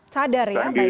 sadar ya baik